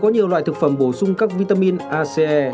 có nhiều loại thực phẩm bổ sung các vitamin ace